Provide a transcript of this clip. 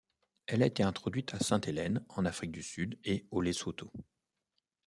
Elle a été introduite à Sainte-Hélène, en Afrique du Sud et au Lesotho.